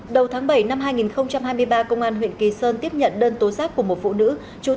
đầu tháng bảy năm hai nghìn hai mươi ba công an huyện kỳ sơn tiếp nhận đơn tố giác của một phụ nữ